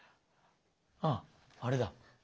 あっあれだ。